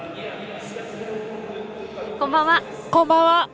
こんばんは。